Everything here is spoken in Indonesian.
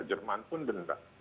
jerman pun denda